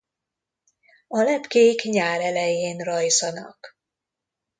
A lepkék nyár elején rajzanak.